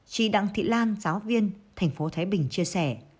chị đặng thị lan giáo viên thành phố thái bình chia sẻ